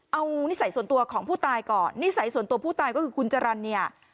เอานิสัยส่วนตัวของผู้ตายก่อนนิสัยส่วนตัวผู้ตายก็คือคุณจรรย์เนี่ย